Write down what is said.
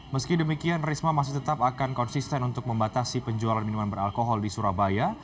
meski demikian risma masih tetap akan konsisten untuk membatasi penjualan minuman beralkohol di surabaya